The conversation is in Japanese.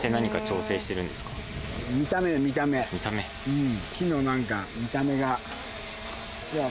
うん。